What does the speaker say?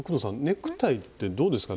ネクタイってどうですか？